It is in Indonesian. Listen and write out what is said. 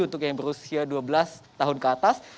untuk yang berusia dua belas tahun ke atas